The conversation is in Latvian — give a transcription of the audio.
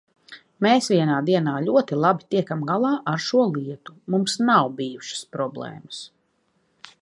Mēs vienā dienā ļoti labi tiekam galā ar šo lietu, mums nav bijušas problēmas.